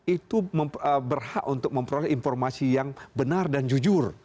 itu berhak untuk memperoleh informasi yang benar dan jujur